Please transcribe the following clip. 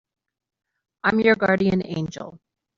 I'm your guardian angel.